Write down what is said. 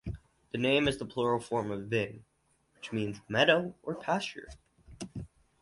The name is the plural form of "vin" which means "meadow" or "pasture".